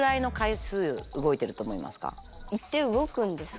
胃って動くんですか？